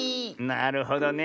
なるほどね。